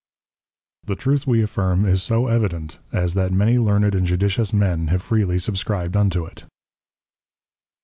_The Truth we affirm is so evident, as that many Learned and Judicious Men have freely subscribed unto it.